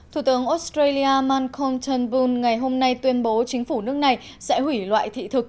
thủ tướng australia manconten boone ngày hôm nay tuyên bố chính phủ nước này sẽ hủy loại thị thực